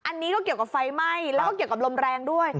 อันนี้ก็เกี่ยวกับไฟไหม้แล้วก็เกี่ยวกับลมแรงด้วย